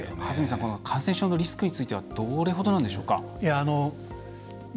羽澄さん感染症のリスクについてはどれほどなんでしょうか。